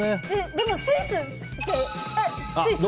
でもスイスって。